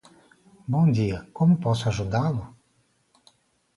Bom dia, como posso ajudá-lo?